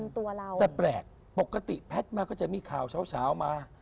แต่แปลกปกติแพทย์มาก็จะมีข่าวเช้ามา